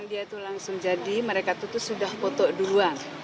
itu langsung jadi mereka itu sudah foto duluan